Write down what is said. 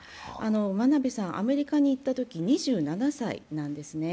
真鍋さんはアメリカに行ったとき２７歳なんですね。